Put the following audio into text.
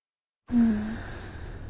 うん。